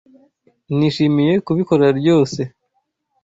Nishimiye kubikora ryose.